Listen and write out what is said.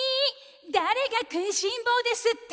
だれがくいしんぼうですって？